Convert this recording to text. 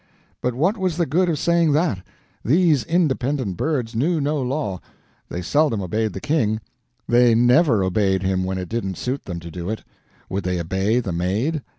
But what was the good of saying that? These independent birds knew no law. They seldom obeyed the King; they never obeyed him when it didn't suit them to do it. Would they obey the Maid?